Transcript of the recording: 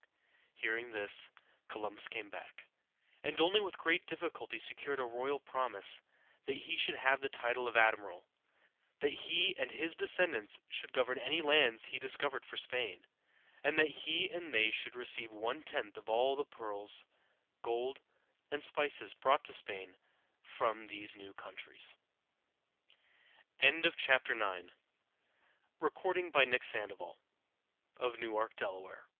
Hearing this, Columbus came back, and only with great difficulty secured a royal promise that he should have the title of admiral, that he and his descendants should govern any lands he discovered for Spain, and that he and they should receive one tenth of all the pearls, gold, and spices brought to Spain from these new countries. X. "LAND! LAND!" In 1492, therefore, more than eighteen years after